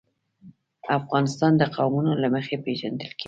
افغانستان د قومونه له مخې پېژندل کېږي.